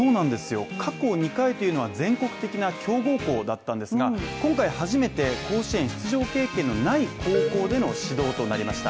過去２回というのは全国的な強豪校だったんですが、今回初めて甲子園出場経験のない高校での指導となりました。